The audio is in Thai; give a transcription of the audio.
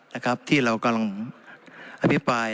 นะครับที่เรากำลังอภิปราย